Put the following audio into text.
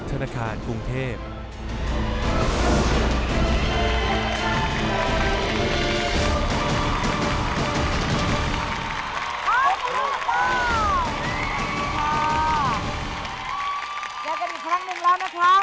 เจอกันอีกครั้งหนึ่งแล้วนะครับ